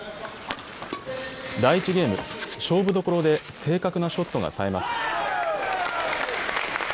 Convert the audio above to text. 第１ゲーム、勝負どころで正確なショットがさえます。